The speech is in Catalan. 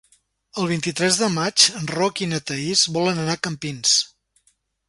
El vint-i-tres de maig en Roc i na Thaís volen anar a Campins.